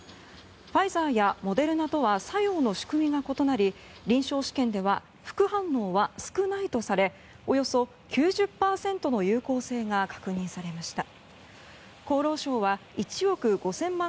ファイザーやモデルナとは作用の仕組みが異なり臨床試験では副反応は少ないとされおよそ９０％の有効性が確認されました。